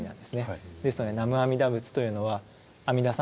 ですので南無阿弥陀仏というのは阿弥陀様